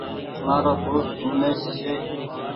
مآرو دوست منيش ڇي